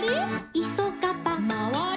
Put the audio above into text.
「いそがば」「まわれ？」